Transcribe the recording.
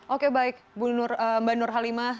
oke baik mbak nur halimah